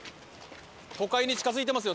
都会に近付いてますよ